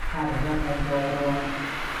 ถ้าเป็นยอดตัวเงินรวม